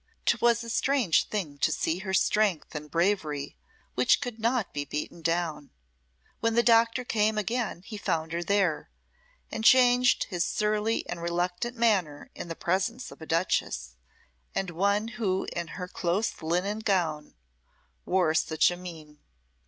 'Twas a strange thing to see her strength and bravery, which could not be beaten down. When the doctor came again he found her there, and changed his surly and reluctant manner in the presence of a duchess, and one who in her close linen gown wore such a mien.